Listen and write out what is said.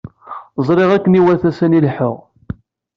Ẓriɣ akken iwata sani leḥḥuɣ.